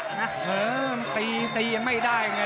ตียังไม่ได้อย่างไร